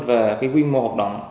về cái quy mô hoạt động